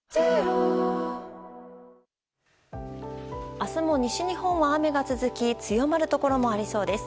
明日も、西日本は雨が続き強まるところもありそうです。